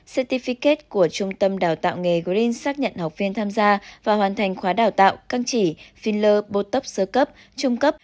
certificate của trung tâm đào tạo nghề green xác nhận học viên tham gia và hoàn thành khóa đào tạo căng chỉ phin lơ bốt tóc sơ cấp trung cấp